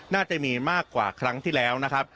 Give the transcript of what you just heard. น่าจะมีมากกว่าครั้งที่แล้วนะครับ